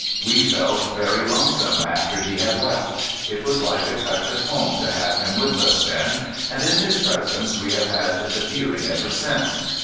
We felt very lone some after he had left. It was like a touch of home to have him with us then, and in his presence we have had the feeling ever since.